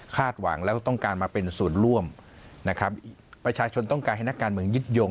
หวังแล้วก็ต้องการมาเป็นส่วนร่วมนะครับประชาชนต้องการให้นักการเมืองยึดโยง